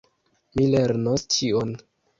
Mi lernos ĉion.